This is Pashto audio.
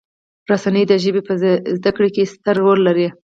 رسنۍ د ژبې په زده کړې کې ستر رول لري.